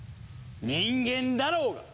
人間だろうが！